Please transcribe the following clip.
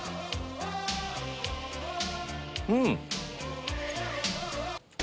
うん！